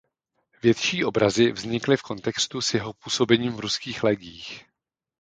Větší obrazy vznikly v kontextu s jeho působením v ruských legiích.